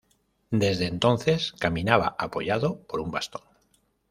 Desde entonces caminaba apoyado por un bastón.